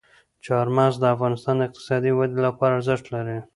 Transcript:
چار مغز د افغانستان د اقتصادي ودې لپاره ارزښت لري.